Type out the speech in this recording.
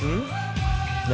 何？